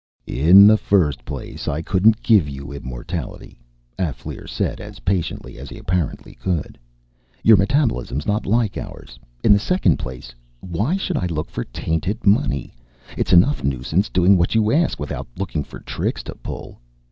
"In the first place, I couldn't give you immortality," Alféar said, as patiently as he apparently could. "Your metabolism's not like ours. In the second place, why should I look for tainted money? It's enough nuisance doing what you ask, without looking for tricks to pull.